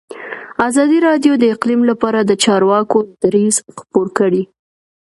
ازادي راډیو د اقلیم لپاره د چارواکو دریځ خپور کړی.